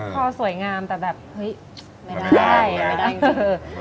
พอสวยงามแต่แบบเห้ยไม่ได้อ่ะ